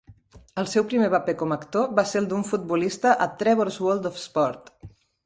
El seu primer paper com a actor va ser el d'un futbolista a "Trevor's World of Sport".